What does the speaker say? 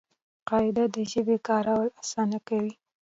قاعده د ژبي کارول آسانه کوي.